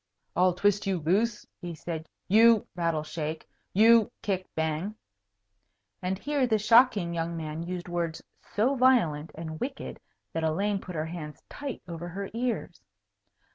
"I'll twist you loose," he said, "you (rattle, shake) you (kick, bang) " And here the shocking young man used words so violent and wicked that Elaine put her hands tight over her ears.